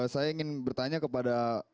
saya ingin bertanya kepada